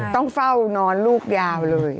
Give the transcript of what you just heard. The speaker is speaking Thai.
ต้องเฝ้านอนลูกยาวเลย